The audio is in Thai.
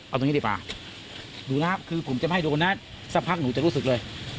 เอาตรงนี้ดีกว่าดูนะคือผมจะไม่ให้โดนนะสักพักหนูจะรู้สึกเลย